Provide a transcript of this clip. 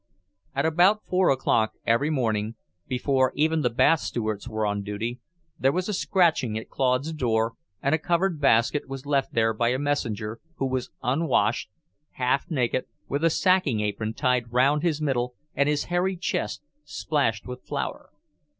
At about four o'clock every morning, before even the bath stewards were on duty, there was a scratching at Claude's door, and a covered basket was left there by a messenger who was unwashed, half naked, with a sacking apron tied round his middle and his hairy chest splashed with flour.